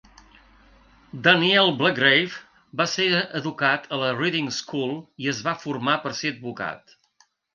Daniel Blagrave va ser educat a la Reading School i es va formar per ser advocat.